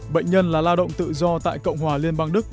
bệnh nhân là lao động tự do tại cộng hòa liên bang đức